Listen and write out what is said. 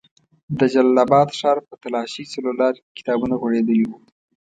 د جلال اباد ښار په تالاشۍ څلور لاري کې کتابونه غوړېدلي وو.